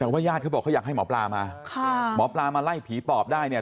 แต่ว่าญาติเขาบอกเขาอยากให้หมอปลามาค่ะหมอปลามาไล่ผีปอบได้เนี่ย